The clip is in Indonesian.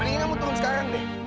mendingan kamu turun sekarang deh